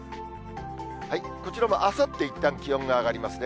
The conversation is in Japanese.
こちらもあさっていったん、気温が上がりますね。